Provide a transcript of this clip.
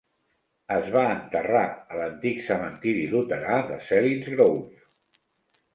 Es va enterrar a l"Antic Cementiri Luterà de Selinsgrove.